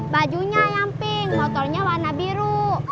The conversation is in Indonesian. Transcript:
bajunya yang pink motornya warna biru